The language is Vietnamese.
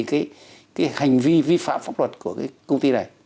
cái hành vi vi phạm pháp luật của cái công ty này